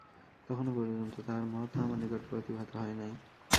তখনও পর্যন্ত তাঁহার মহত্ত্ব আমার নিকট প্রতিভাত হয় নাই।